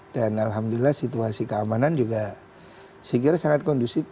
dan alhamdulillah situasi keamanan juga saya kira sangat kondusif